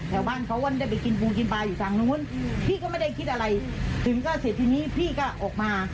บ้านเขาก็ได้ไปกินปูกินปลาอยู่ทางนู้นพี่ก็ไม่ได้คิดอะไรถึงก็เสร็จทีนี้พี่ก็ออกมา